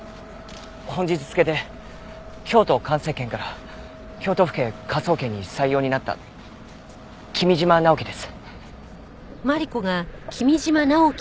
本日付で京都環生研から京都府警科捜研に採用になった君嶋直樹です。